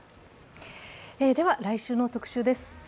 来週の「特集」です。